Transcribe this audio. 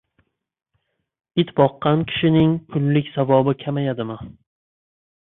It boqqan kishining kunlik savobi kamayadimi?